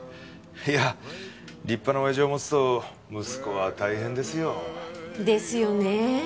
いやあ立派な親父を持つと息子は大変ですよ。ですよね。